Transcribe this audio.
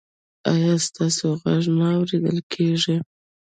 ایا ستاسو غږ نه اوریدل کیږي؟